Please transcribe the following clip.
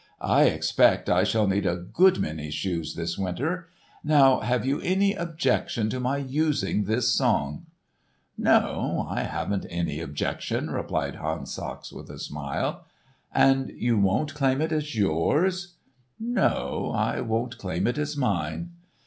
I expect I shall need a good many shoes this winter. Now have you any objection to my using this song?" "No, I haven't any objection," replied Hans Sachs with a smile. "And you won't claim it as yours?" "No, I won't claim it as mine."